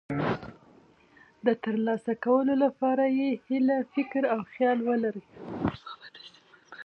د ترلاسه کولو لپاره یې هیله، فکر او خیال ولرئ.